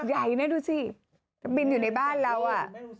ยักษ์นะดูสิข้าบิ้นอยู่ในบ้านเราอะ